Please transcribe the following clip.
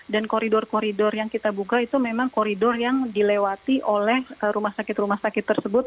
dan koridor koridor yang kita buka itu memang koridor yang dilewati oleh rumah sakit rumah sakit tersebut